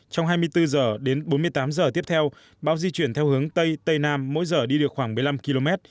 trong hai mươi bốn h đến bốn mươi tám giờ tiếp theo bão di chuyển theo hướng tây tây nam mỗi giờ đi được khoảng một mươi năm km